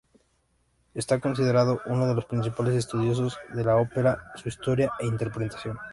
Está considerado uno de los principales estudiosos de la ópera, su historia e interpretación.